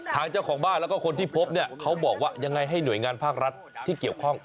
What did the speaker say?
ทางเจ้าของบ้านแล้วก็คนที่พบเนี่ยเขาบอกว่ายังไงให้หน่วยงานภาครัฐที่เกี่ยวข้อง